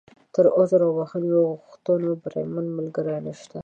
تر عذر او بښنې غوښتو، بریمن ملګری نشته.